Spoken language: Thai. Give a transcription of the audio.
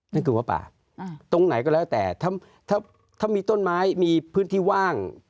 นั่นคือหัวป่าตรงไหนก็แล้วแต่ถ้ามีต้นไม้มีพื้นที่ว่าง